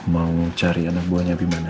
mau cari anak buahnya abimana